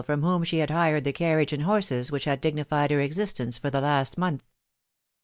559 from whom she had hired the carriage and horses which had dignified her existence for the last month.